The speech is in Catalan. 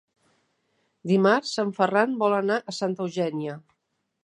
Dimarts en Ferran vol anar a Santa Eugènia.